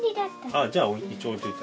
ああじゃあ一応置いといたら。